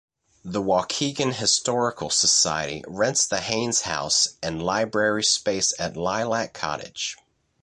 The Waukegan Historical Society rents the Haines House and library space at Lilac Cottage.